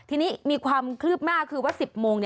ทีนี้มีความคืบหน้าคือว่า๑๐โมง